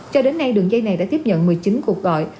cho đến nay đường dây này đã tiếp nhận một mươi chín cuộc gọi